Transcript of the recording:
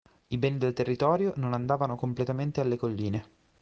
I beni del territorio non andavano completamente alle colline.